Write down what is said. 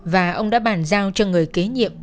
và ông đã bàn giao cho người kế nhiệm